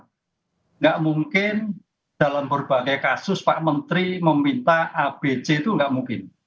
tidak mungkin dalam berbagai kasus pak menteri meminta abc itu nggak mungkin